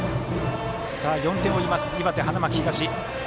４点追います岩手、花巻東。